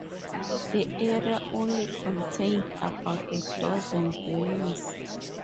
The area only contained about a dozen dwellings.